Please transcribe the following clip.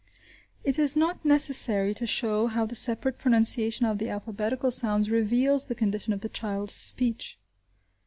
It is not necessary to show how the separate pronunciation of the alphabetical sounds reveals the condition of the child's speech.